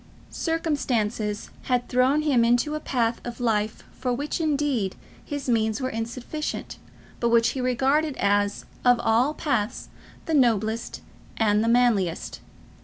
Circumstances had thrown him into a path of life for which, indeed, his means were insufficient, but which he regarded as, of all paths, the noblest and the manliest.